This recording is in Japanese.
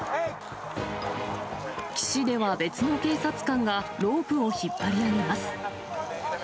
岸では別の警察官が、ロープを引っ張り上げます。